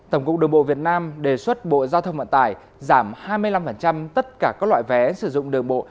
tổng cục đường bộ việt nam đề xuất bộ giao thông vận tải giảm hai mươi năm tất cả các loại vé sử dụng đường bộ